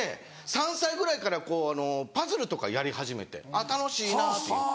３歳ぐらいからパズルとかやり始めて楽しいなっていう。